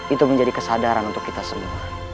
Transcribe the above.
itu menjadi kesadaran untuk kita semua